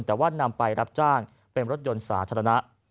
แต่ว่านำไปรับจ้างเป็นรถยนต์สาธารณะ